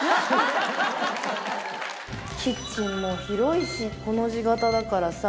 キッチンも広いしコの字型だからさ